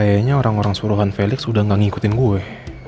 kayaknya orang orang suruhan felix udah gak ngikutin gue